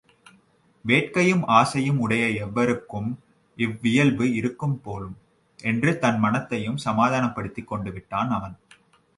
வேட்கையும் ஆசையும் உடைய எவருக்கும் இவ்வியல்பு இருக்கும் போலும் என்று தன் மனத்தையும் சமாதானப்படுத்திக் கொண்டுவிட்டான் அவன்.